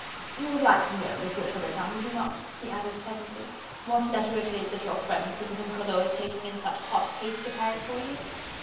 "You would like to know, Monsieur Chaubertin, would you not?..." he added pleasantly, "what letter it is that your friend, Citizen Collot, is taking in such hot haste to Paris for you....